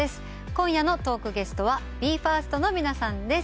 今夜のトークゲストはＢＥ：ＦＩＲＳＴの皆さんです。